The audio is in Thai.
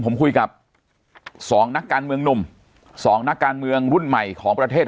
ผมคุยกับสองนักการเมืองหนุ่มสองนักการเมืองรุ่นใหม่ของประเทศ